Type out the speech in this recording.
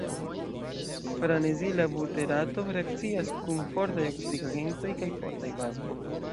Farnezila buterato reakcias kun fortaj oksidigagentoj kaj fortaj bazoj.